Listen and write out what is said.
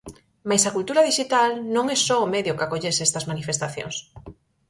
Mais a cultura dixital non é só o medio que acolle estas manifestacións.